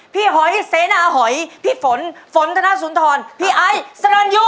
หอยเสนาหอยพี่ฝนฝนธนสุนทรพี่ไอซ์สรรยู